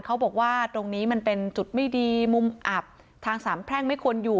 เขาบอกว่าตรงนี้มันเป็นจุดไม่ดีมุมอับทางสามแพร่งไม่ควรอยู่